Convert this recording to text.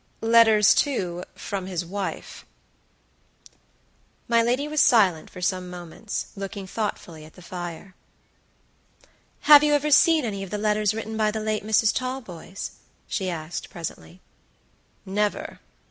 "Letters, too, from his wife." My lady was silent for some few moments, looking thoughtfully at the fire. "Have you ever seen any of the letters written by the late Mrs. Talboys?" she asked presently. "Never.